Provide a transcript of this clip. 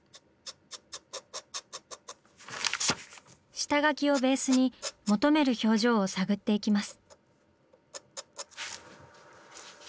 下描きをベースに求める表情を探っていきます。